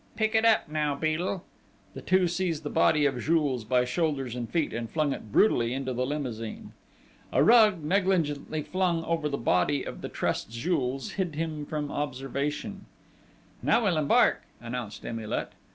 Pick it up! Now, Beadle!" The two seized the body of Jules by shoulders and feet, and flung it brutally into the limousine. A rug, negligently flung over the body of the trussed Jules, hid him from observation. "Now we'll embark," announced Emilet.